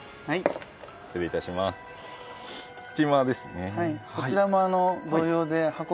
「はいこちらも」